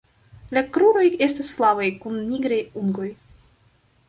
La kruroj estas flavaj kun nigraj ungoj.